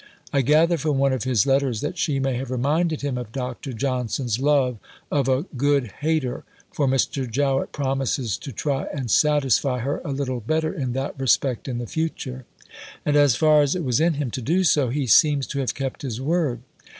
I gather from one of his letters that she may have reminded him of Dr. Johnson's love of a good hater, for Mr. Jowett promises to try and satisfy her a little better in that respect in the future. And, as far as it was in him to do so, he seems to have kept his word.